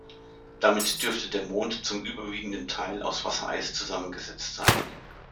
Damit dürfte der Mond zum überwiegenden Teil aus Wassereis zusammengesetzt sein.